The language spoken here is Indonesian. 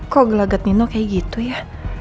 kok gelagat nino kayak gitu ya